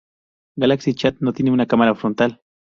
Galaxy Chat no tiene una cámara frontal.